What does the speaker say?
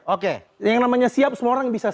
oke yang namanya siap semua orang bisa